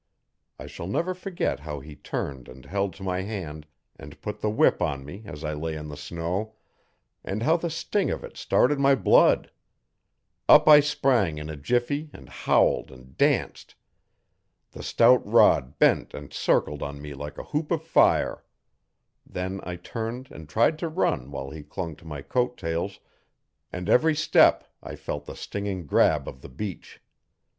I shall never forget how he turned and held to my hand and put the whip on me as I lay in the snow, and how the sting of it started my blood. Up I sprang in a jiffy and howled and danced. The stout rod bent and circled on me like a hoop of fire. Then I turned and tried to run while he clung to my coat tails, and every step I felt the stinging grab of the beech.